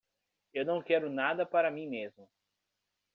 Eu não quero nada para mim mesmo.